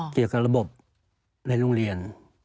เกี่ยวกับระบบในโรงเรียน